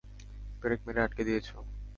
পেরেক মেরে আটকে দিয়েছ!